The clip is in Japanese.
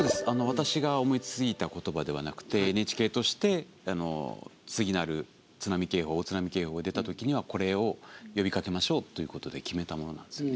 私が思いついた言葉ではなくてＮＨＫとして次なる津波警報大津波警報が出たときにはこれを呼びかけましょうということで決めたものなんですね。